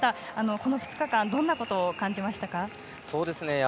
この２日間どんなことを感じましたか。